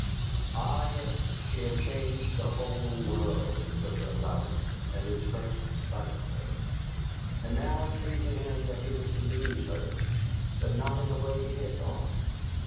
Ah, yes, she had changed the whole world for Joseph Louden at his first sight of her! And now it seemed to him that he was to lose her, but not in the way he had thought.